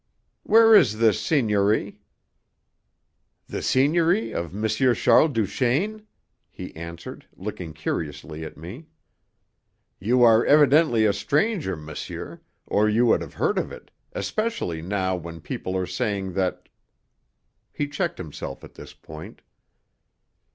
"Where is this seigniory?" "The seigniory of M. Charles Duchaine?" he answered, looking curiously at me. "You are evidently a stranger, monsieur, or you would have heard of it, especially now when people are saying that " He checked himself at this point.